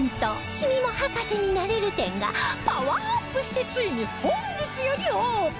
「君も博士になれる展」がパワーアップしてついに本日よりオープン！